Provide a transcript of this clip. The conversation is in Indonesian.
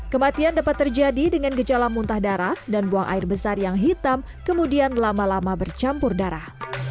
kematian dapat terjadi dengan gejala muntah darah dan buang air besar yang hitam kemudian lama lama bercampur darah